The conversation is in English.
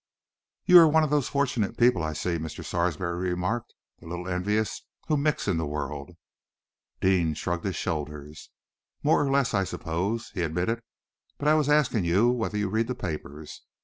"You are one of those fortunate people, I see," Mr. Sarsby remarked, a little enviously, "who mix in the world." Deane shrugged his shoulders. "More or less, I suppose," he admitted. "But I was asking you whether you read the papers.